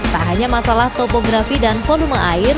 tak hanya masalah topografi dan volume air